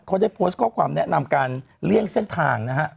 เขาได้โพสต์ข้อความแนะนำการเลี่ยงเส้นทางนะฮะ